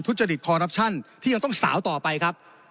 ทุจริตคอรัปชั่นที่ยังต้องสาวต่อไปครับ